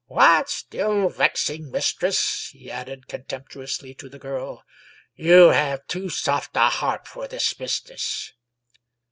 What, still vexing, mis tress?" he added contemptuously to the girl. "You have too soft a heart for this business